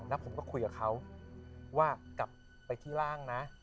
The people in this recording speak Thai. แล้วผมก็คุยกับเขาว่ากลับไปที่ร่างนะ